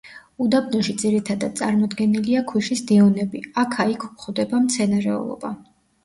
უდაბნოში ძირითადად წარმოდგენილია ქვიშის დიუნები, აქა-იქ გვხვდება მცენარეულობა.